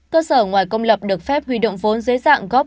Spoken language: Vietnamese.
cơ sở ngoài công lập được phép huy động vốn dưới dạng góp